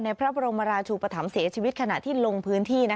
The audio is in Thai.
พระบรมราชูปธรรมเสียชีวิตขณะที่ลงพื้นที่